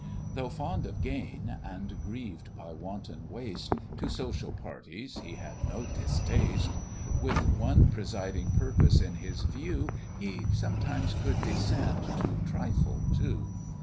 Though fond of gain, and grieved by wanton waste, To social parties he had no distaste; With one presiding purpose in his view, He sometimes could descend to trifle too!